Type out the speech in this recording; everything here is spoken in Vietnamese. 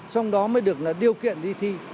xong đó mới được là điều kiện đi thi